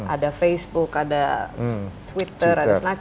ada facebook ada twitter ada snack